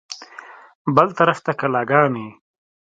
بل طرف ته کلاګانې.